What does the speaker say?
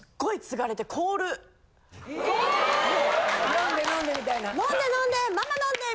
・飲んで飲んでみたいな？